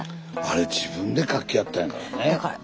あれ自分で書きやったんやからね。